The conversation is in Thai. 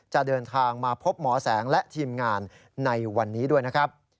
จะเดินทางมาพบหมอแสงและทีมงานในวันนี้ด้วยนะครับ